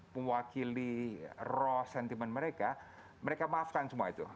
pemwakili raw sentiment mereka mereka maafkan semua itu